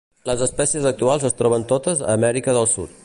Les espècies actuals es troben totes a Amèrica del Sud.